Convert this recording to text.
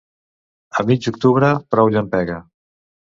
A mig octubre, prou llampega.